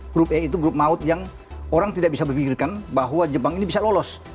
grup e itu grup maut yang orang tidak bisa berpikirkan bahwa jepang ini bisa lolos